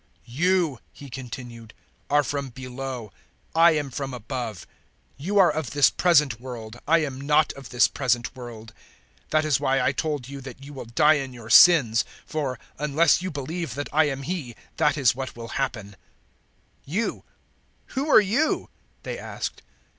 008:023 "You," He continued, "are from below, I am from above: you are of this present world, I am not of this present world. 008:024 That is why I told you that you will die in your sins; for, unless you believe that I am He, that is what will happen." 008:025 "You who are you?" they asked.